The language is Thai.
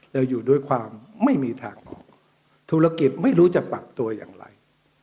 เราอยู่ด้วยความไม่มีทางออกธุรกิจไม่รู้จะปรับตัวอย่างไร